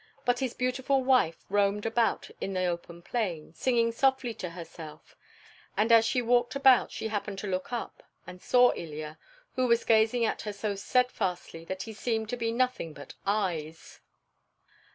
But his beautiful wife roamed about in the open plain, singing softly to herself; and as she walked about she happened to look up, and saw Ilya, who was gazing at her so steadfastly that he seemed to be nothing but eyes.